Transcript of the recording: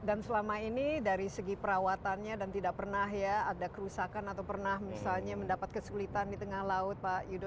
dan selama ini dari segi perawatannya dan tidak pernah ya ada kerusakan atau pernah misalnya mendapat kesulitan di tengah laut pak yudo